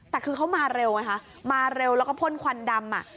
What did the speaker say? แต่คือเขามาเร็วไงคะมาเร็วแล้วก็พ่นควันดำอ่ะ